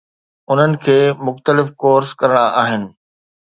انهن کي مختلف ڪورس ڪرڻا آهن.